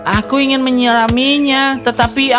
aku ingin menyiraminya tetapi aku lupa